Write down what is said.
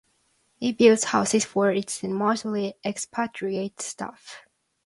It built houses for its then mostly expatriate staff.